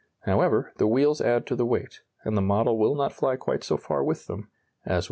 However, the wheels add to the weight, and the model will not fly quite so far with them as without.